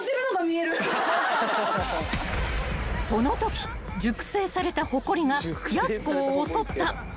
［そのとき熟成されたほこりがやす子を襲った］